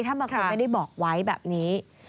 ถ้าบางคนไม่ได้บอกไว้แบบนี้